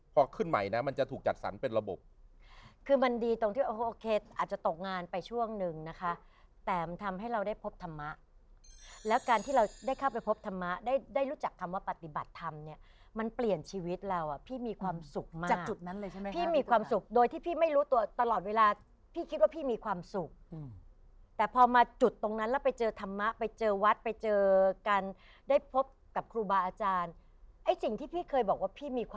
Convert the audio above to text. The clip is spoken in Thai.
พอขึ้นใหม่นะมันจะถูกจัดสรรเป็นระบบคือมันดีตรงที่โอเคอาจจะตกงานไปช่วงนึงนะคะแต่มันทำให้เราได้พบธรรมะแล้วการที่เราได้เข้าไปพบธรรมะได้ได้รู้จักคำว่าปฏิบัติธรรมเนี่ยมันเปลี่ยนชีวิตเราอ่ะพี่มีความสุขมากจากจุดนั้นเลยใช่ไหมพี่มีความสุขโดยที่พี่ไม่รู้ตัวตลอดเวลาพี่คิดว่าพี่มีคว